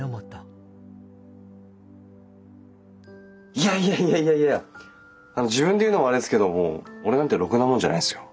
いやいやいやいやいや自分で言うのもあれなんですけどもう俺なんてロクなもんじゃないですよ。